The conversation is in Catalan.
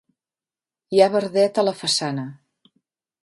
Hi ha verdet a la façana.